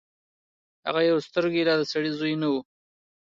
هغه يو سترګې لا د سړي زوی نه وو.